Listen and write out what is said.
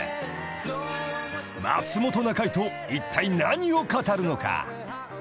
［松本中居といったい何を語るのか？］